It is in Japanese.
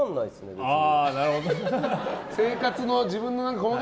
別に。